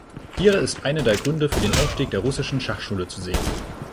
Hier ist einer der Gründe für den Aufstieg der Russischen Schachschule zu sehen.